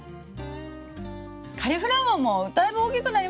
カリフラワーもだいぶ大きくなりましたよね。